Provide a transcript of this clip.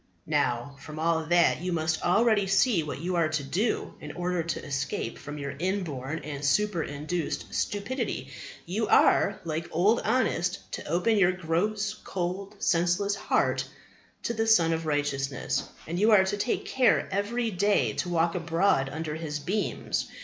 Now, from all that, you must already see what you are to do in order to escape from your inborn and superinduced stupidity. You are, like Old Honest, to open your gross, cold, senseless heart to the Sun of Righteousness, and you are to take care every day to walk abroad under His beams.